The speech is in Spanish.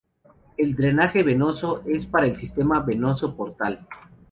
El drenaje venoso es para el sistema venoso portal.